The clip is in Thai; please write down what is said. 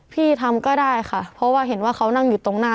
พี่ทำก็ได้ค่ะเพราะว่าเห็นว่าเขานั่งอยู่ตรงหน้า